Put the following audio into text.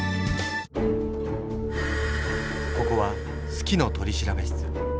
ここは「好きの取調室」。